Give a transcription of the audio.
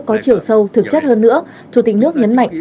có chiều sâu thực chất hơn nữa chủ tịch nước nhấn mạnh